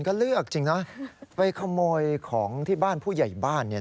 ก็เลือกจริงนะไปขโมยของที่บ้านผู้ใหญ่บ้านเนี่ย